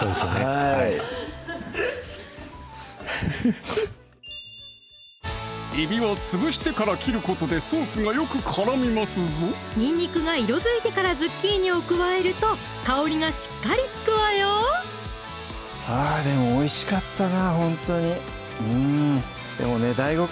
はいフフッえびはつぶしてから切ることでソースがよく絡みますぞにんにくが色づいてからズッキーニを加えると香りがしっかりつくわよでもおいしかったなほんとにうんでもねＤＡＩＧＯ